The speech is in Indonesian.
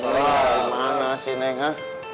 wah dari mana sih neng ha